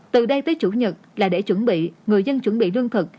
từ đây tới chủ nhật là để chuẩn bị người dân chuẩn bị lương thực